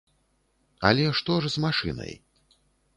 Але што ж з машынай?